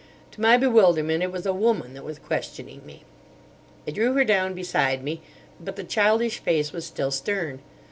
To my bewilderment, it was a woman that was questioning me. I drew her down beside me. But the childish face was still stern.